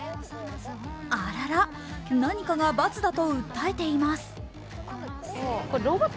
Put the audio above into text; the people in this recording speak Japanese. あらら、何かがバツだと訴えています。